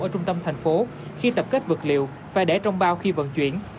ở trung tâm thành phố khi tập kết vật liệu phải để trong bao khi vận chuyển